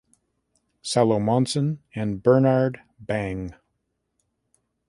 Salomonsen and Bernhard Bang.